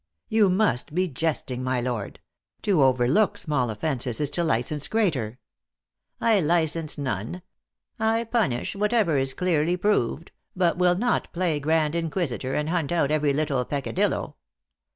" You must be jesting, my lord. To overlook small offences is to license greater." " I license none ; I punish whatever is clearly prov ed, but will not play grand Inquisitor, and hunt out every little peccadillo.